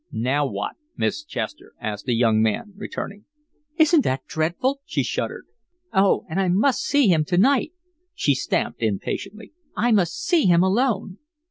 "Now what, Miss Chester?" asked the young man, returning. "Isn't that dreadful?" she shuddered. "Oh, and I must see him to night!" She stamped impatiently. "I must see him alone."